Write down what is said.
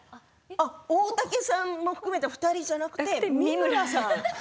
大竹さんも含めて２人ではなくて三村さん。